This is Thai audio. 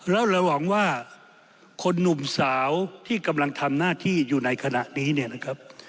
แล้วเราหวังว่าคนหนุ่มสาวที่กำลังทำหน้าที่อยู่ในขณะนี้เนี่ยนะครับ